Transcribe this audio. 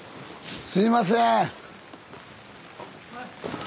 すいません